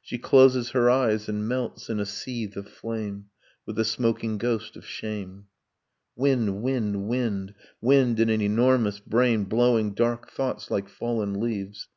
She closes her eyes, and melts in a seethe of flame ... With a smoking ghost of shame ... Wind, wind, wind ... Wind in an enormous brain Blowing dark thoughts like fallen leaves